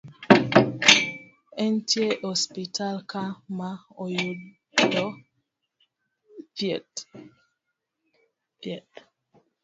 Entie e osiptal ka ma oyudo e thieth